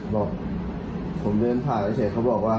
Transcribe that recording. บอกผมเลือนถ่ายแล้วเสร็จเขาบอกว่า